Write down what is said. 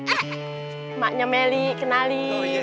emaknya meli kenalin